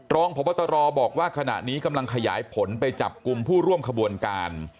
รองพบตรบอกว่าขณะนี้กำลังขยายผลไปจับกลุ่มผู้ร่วมขบวนการ